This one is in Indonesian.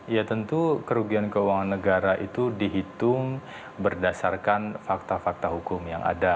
ya tentu kerugian keuangan negara itu dihitung berdasarkan fakta fakta hukum yang ada